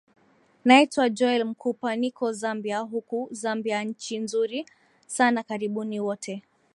naitwa joel mkupa niko zambia huku zambia nchi nzuri sana karibuni wote